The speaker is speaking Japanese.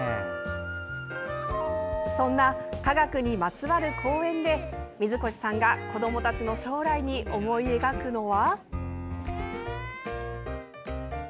そんな科学にまつわる公園で水越さんが子どもたちの将来に思い描くのは。